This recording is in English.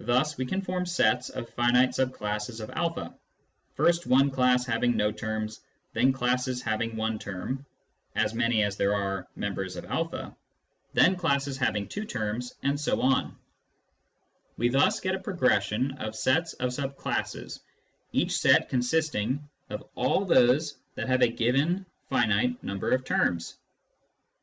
Thus we can form sets of finite sub classes of a : First one class having no terms, then classes having 1 term (as many as there are members of a), then classes having 128 Introduction to Mathematical Philosophy 2 terms, and so on. We thus get a progression of sets of sub classes, each set consisting of all those that have a certain given finite number of terms.